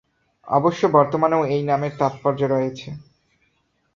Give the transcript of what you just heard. অবশ্য বর্তমানেও এই নামের তাৎপর্য রয়েছে।